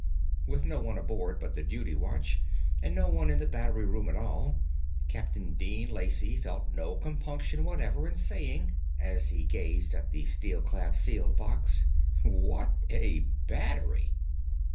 With no one aboard but the duty watch, and no one in the battery room at all, Captain Dean Lacey felt no compunction whatever in saying, as he gazed at the steel clad, sealed box: "What a battery!"